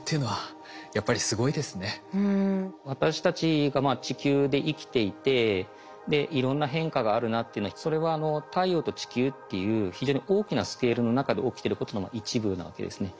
私たちが地球で生きていていろんな変化があるなっていうのはそれは太陽と地球っていう非常に大きなスケールの中で起きてることの一部なわけですね。